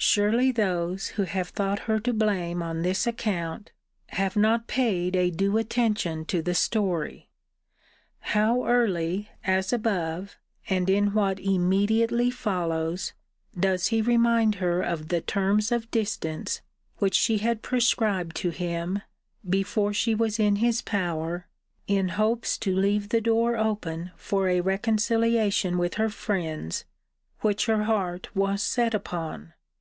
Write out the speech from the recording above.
Surely those, who have thought her to blame on this account, have not paid a due attention to the story. How early, as above, and in what immediately follows, does he remind her of the terms of distance which she had prescribed to him, before she was in his power, in hopes to leave the door open for a reconciliation with her friends, which her heart was set upon?